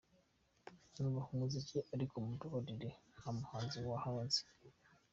Nubaha umuziki ariko mumbabarire ntamuhanzi wa hano nzi .